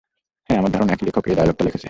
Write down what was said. হ্যাঁ, আমার ধারণা একই লেখক এ ডায়লগটা লেখেছে।